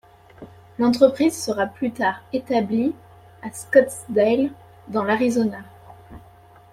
L’entreprise sera plus tard établie à Scottsdale dans l'Arizona.